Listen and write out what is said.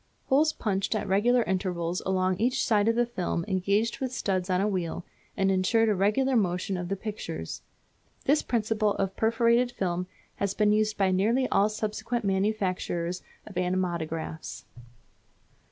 Holes punched at regular intervals along each side of the film engaged with studs on a wheel, and insured a regular motion of the pictures. This principle of a perforated film has been used by nearly all subsequent manufacturers of animatographs.